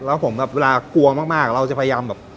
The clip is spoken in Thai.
แล้วผมแบบเวลากลัวมากเราจะพยายามแบบ